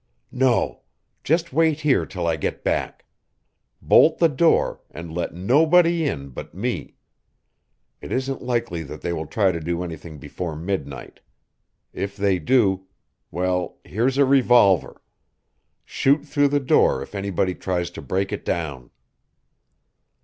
"No. Just wait here till I get back. Bolt the door, and let nobody in but me. It isn't likely that they will try to do anything before midnight. If they do well, here's a revolver. Shoot through the door if anybody tries to break it down."